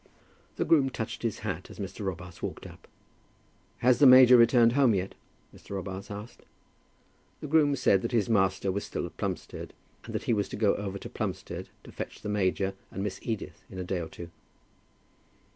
The groom touched his hat as Mr. Robarts walked up. "Has the major returned home yet?" Mr. Robarts asked. The groom said that his master was still at Plumstead, and that he was to go over to Plumstead to fetch the major and Miss Edith in a day or two.